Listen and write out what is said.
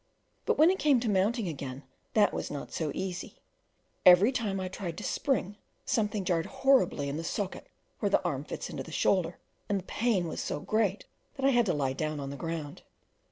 But when it came to mounting again, that was not so easy: every time I tried to spring, something jarred horribly in the socket where the arm fits into the shoulder, and the pain was so great that I had to lie down on the ground.